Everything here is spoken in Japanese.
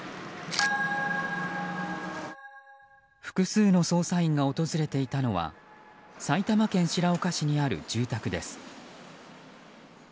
複数の捜査員が訪れていたのは埼玉県白岡市にある住宅です。